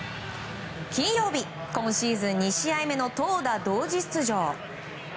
金曜日、今シーズン２試合目の投打同時出場。